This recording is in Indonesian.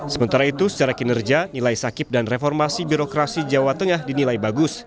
sementara itu secara kinerja nilai sakit dan reformasi birokrasi jawa tengah dinilai bagus